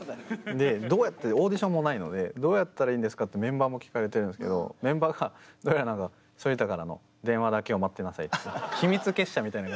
でどうやってオーディションもないのでどうやったらいいんですか？ってメンバーも聞かれてるんですけどメンバーがどうやらなんか秘密結社みたいな。